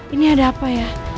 ini ada apa ya